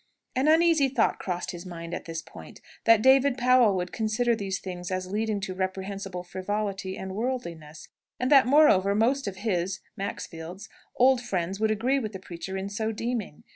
An uneasy thought crossed his mind at this point, that David Powell would consider these things as leading to reprehensible frivolity and worldliness; and that, moreover, most of his (Maxfield's) old friends would agree with the preacher in so deeming.